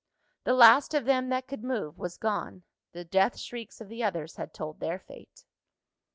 The last of them that could move was gone. The death shrieks of the others had told their fate.